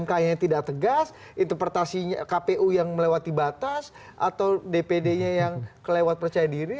mk nya tidak tegas interpretasinya kpu yang melewati batas atau dpd nya yang kelewat percaya diri